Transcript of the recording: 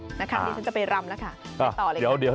ทีนี้ฉันจะไปรำล่ะค่ะ